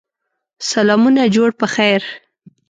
سلامونه جوړ په خیر!